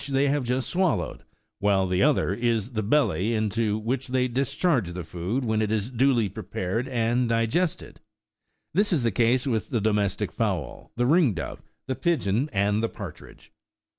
they have just swallowed, while the other is the belly, into which they discharge the food when it is duly prepared and digested ; this is the case with the domestic fowl, the ring dove, the pigeon, and the partridge.